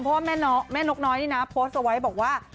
เพราะว่าแม่นกน้อยนี่นะโพสต์เอาไว้บอกว่า